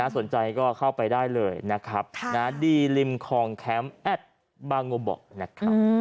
สนใจก็เข้าไปได้เลยนะครับดีริมคลองแคมป์แอดบาโงเบาะนะครับ